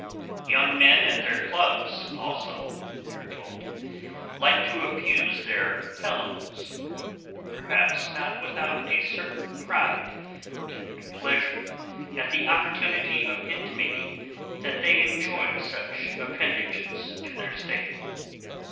Young men at their clubs, also, we are told, like to abuse their "fellows," perhaps not without a certain pride and pleasure at the opportunity of intimating that they enjoy such appendages to their state.